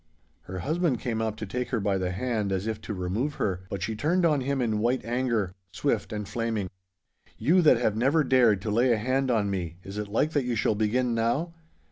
Her husband came up to take her by the hand as if to remove her, but she turned on him in white anger, swift and flaming. 'You that have never yet dared to lay a hand on me, is it like that you shall begin now?